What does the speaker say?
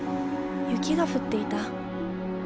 雪が降っていた。